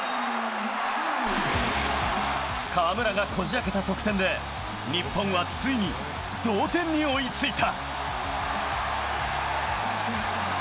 河村がこじあけた得点で、日本はついに、同点に追いついた。